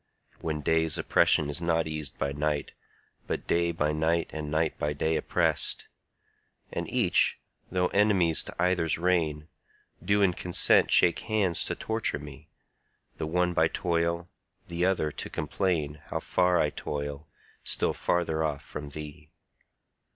When day's oppression is not eas'd by night, But day by night and night by day oppress'd, And each, though enemies to either's reign, Do in consent shake hands to torture me, The one by toil, the other to complain How far I toil, still farther off from thee.